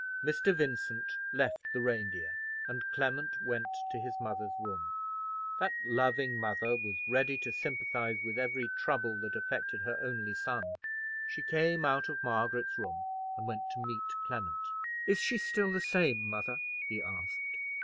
Mr. Vincent left the Reindeer, and Clement went to his mother's room. That loving mother was ready to sympathize with every trouble that affected her only son. She came out of Margaret's room and went to meet Clement. "Is she still the same, mother?" he asked.